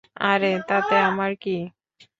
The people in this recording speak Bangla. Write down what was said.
আরে, তাতে আমার কী?